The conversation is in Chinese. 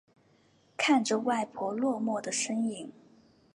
看着外婆落寞的身影